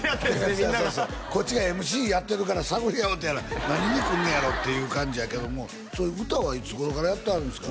みんながそうそうそうそうこっちがＭＣやってるから探り合うてる何に来んねやろ？っていう感じやけども歌はいつ頃からやってはるんですか？